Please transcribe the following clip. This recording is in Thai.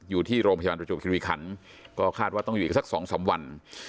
อยู่ที่โรงพยาบาลประจวบคิริขันก็คาดว่าต้องอยู่อีกสัก๒๓วัน